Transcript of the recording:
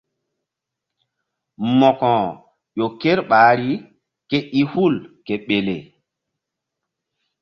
Mo̧ko ƴo ker ɓahri ke i hu ke ɓele.